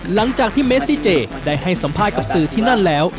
หลังจากที่เมซี่เจได้ให้สัมภาษณ์กับสื่อที่นั่นแล้ว